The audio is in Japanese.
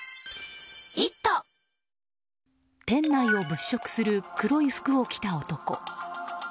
店内を物色する黒い服を着た男。